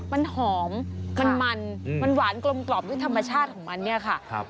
มันหอมมันมันหวานกลมกล่อมด้วยธรรมชาติของมันเนี่ยค่ะ